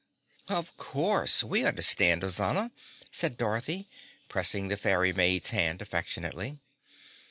"Of course. We understand, Ozana," said Dorothy, pressing the fairy maid's hand affectionately.